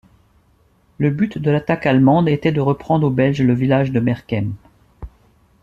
Le but de l'attaque allemande était de reprendre aux Belges le village de Merkem.